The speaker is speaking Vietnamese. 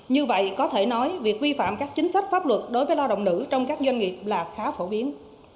như vậy có thể nói việc vi phạm các chính sách pháp luật đối với lao động nữ trong các doanh nghiệp là khá phổ biến